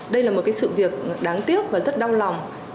đây là một cái sự việc đáng tiếc và rất đau lòng